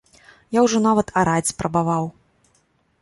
Я ўжо нават араць спрабаваў.